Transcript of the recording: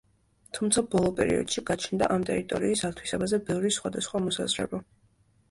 თუმცა ბოლო პერიოდშ გაჩნდა ამ ტერიტორიის ათვისებაზე ბევრი სხვადასხვა მოსაზრება.